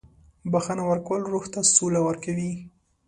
• بخښنه ورکول روح ته سوله ورکوي.